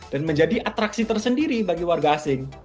dan menjadi atraksi tersendiri bagi warga asing